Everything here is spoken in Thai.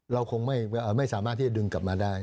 เราคงไม่สามารถที่จะดึงกลับมาได้